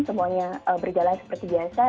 semuanya berjalan seperti biasa